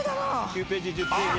９ページ１０ページ。